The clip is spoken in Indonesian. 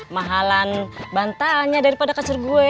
mahalan bantalnya daripada kasur gue